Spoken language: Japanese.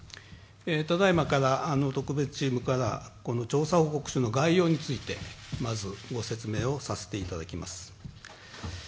ただいまから、特別チームから調査報告書の概要についてまず、ご説明をさせていただきます。